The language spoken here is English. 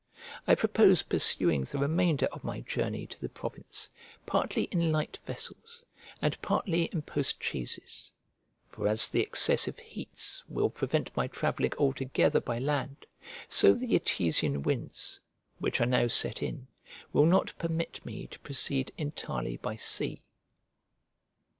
I propose pursuing the remainder of my journey to the province partly in light vessels, and partly in post chaises: for as the excessive heats will prevent my travelling altogether by land, so the Etesian winds, which are now set in, will not permit me to proceed entirely by sea.